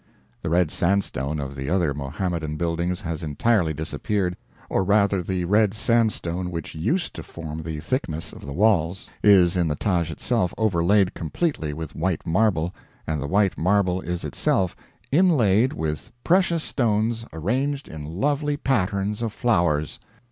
The red sandstone of the other Mohammedan buildings has entirely disappeared, or rather the red sandstone which used to form the thickness of the walls, is in the Taj itself overlaid completely with white marble, and the white marble is itself inlaid with precious stones arranged in lovely patterns of flowers.